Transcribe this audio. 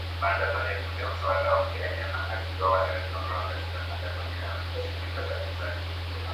maandamano ya kudai utawala wa kiraia na haki kwa wale waliouawa katika maandamano ya awali kulingana na madaktari